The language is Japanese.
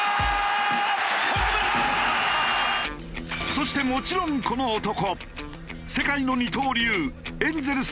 そしてもちろんこの男。